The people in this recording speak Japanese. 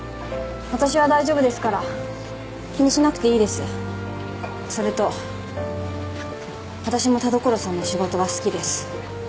私は大丈夫ですから気にしなくていいですそれと私も田所さんの仕事は好きです